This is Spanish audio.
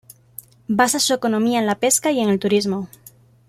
Basa su economía en la pesca y en el turismo.